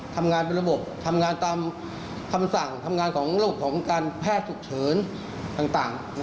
ทำงานเป็นระบบทำงานตามคำสั่งทำงานของโลกของการแพทย์ฉุกเฉินต่าง